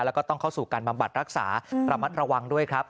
แล้วก็ต้องเข้าสู่การบำบัดรักษาระมัดระวังด้วยครับ